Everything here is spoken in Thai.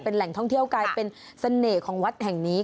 แหล่งท่องเที่ยวกลายเป็นเสน่ห์ของวัดแห่งนี้